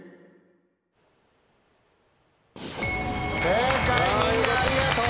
正解みんなありがとう！